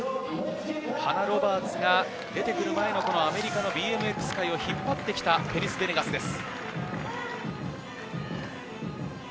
ハナ・ロバーツが出てくる前のアメリカのＢＭＸ界を引っ張ってきたペリス・ベネガスです。